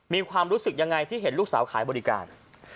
มีความรู้สึกยังไงที่เห็นลูกสาวขายบริการ